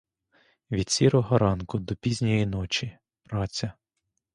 Від сірого ранку до пізньої ночі — праця.